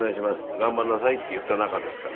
「頑張んなさい」って言った仲ですから。